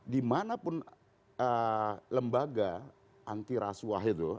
dimanapun lembaga anti rasuah itu